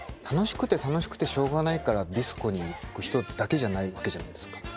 楽しくて楽しくてしょうがないからディスコに行く人だけじゃないわけじゃないですか。